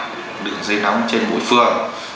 điện thoại đựng dây nóng trên mỗi phường